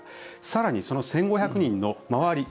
更に、その１５００人の周り